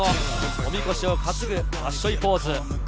おみこしを担ぐワッショイポーズ。